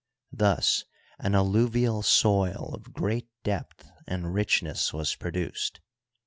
Thus an allu vial soil of great depth and richness was produced.